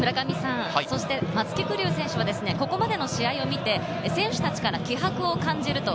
松木玖生選手は、ここまでの試合を見て、選手たちから気迫を感じると。